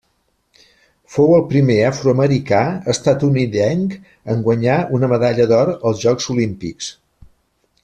Fou el primer afroamericà estatunidenc en guanyar una medalla d'or als Jocs Olímpics.